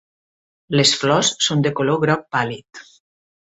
Les flors són de color groc pàl·lid.